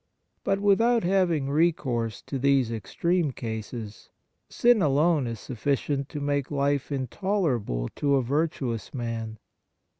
But without having recourse to these extreme cases, sin alone is sufficient to make Hfe intoler able to a virtuous man.